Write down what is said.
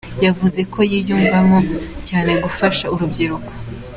Yavuze ko yiyumvamo cyane gufasha urubyiruko.